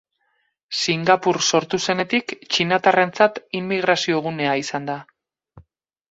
Singapur sortu zenetik, txinatarrentzat immigrazio-gunea izan da.